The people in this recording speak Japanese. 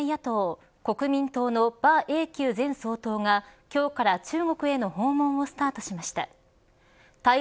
台湾の最大野党国民党の馬英九前総統が今日から中国への訪問をスタートしました。